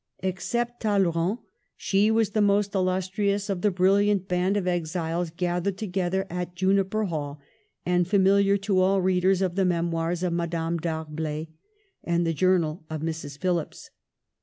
Except Tal leyrand, she was the most' illustrious of the bril liant band of exiles gathered together at Juniper Hall, and familiar to all readers of the memoirs of Madame d'Arblay and the journal of Mrs. Phillips.